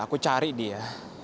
aku cari dia